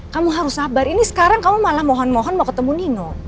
kamu harus sabar ini sekarang kamu malah mohon mohon mau ketemu nino